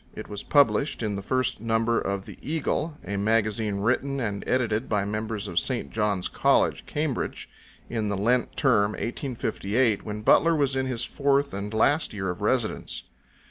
It was published in the first number of the EAGLE, a magazine written and edited by members of St. John's College, Cambridge, in the Lent Term, 1858, when Butler was in his fourth and last year of residence.